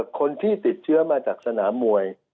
คนที่ติดเชื้อมาจากสนามมวย